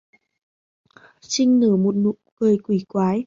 Chinh nở một nụ cười kỳ quái